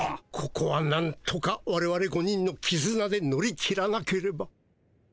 ここはなんとかわれわれ５人のきずなで乗り切らなければ。